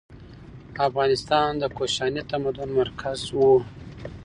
افغانستان د کوشاني تمدن مرکز و.